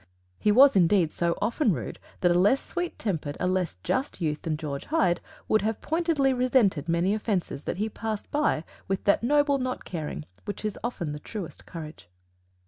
He was, indeed, often so rude that a less sweet tempered, a less just youth than George Hyde would have pointedly resented many offences that he passed by with that "noble not caring" which is often the truest courage.